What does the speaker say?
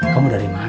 kamu dari mana cil